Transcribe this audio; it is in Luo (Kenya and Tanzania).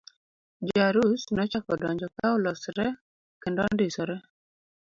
Jo arus nochako donjo ka olosre kendo ondisore.